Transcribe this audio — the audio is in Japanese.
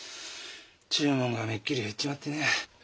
注文がめっきり減っちまってね。